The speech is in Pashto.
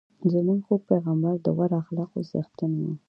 زموږ خوږ پیغمبر د غوره اخلاقو څښتن دی.